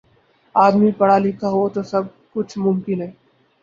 آدمی پڑھا لکھا ہو تو سب کچھ ممکن ہے